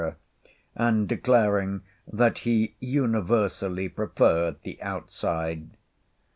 and declaring that he universally preferred the outside.